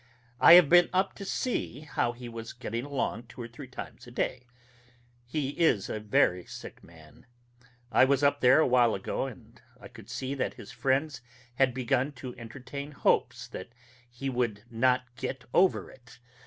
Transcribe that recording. I have been up to see how he was getting along two or three times a day.... He is a very sick man; I was up there a while ago, and I could see that his friends had begun to entertain hopes that he would not get over it.